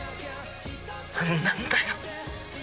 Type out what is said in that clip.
何なんだよ！